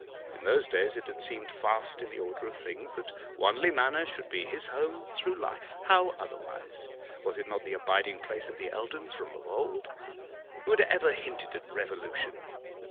In those days it had seemed fast in the order of things that Wanley Manor should be his home through life; how otherwise? Was it not the abiding place of the Eldons from of old? Who had ever hinted at revolution?